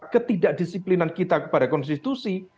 ketidakdisiplinan kita kepada konstitusi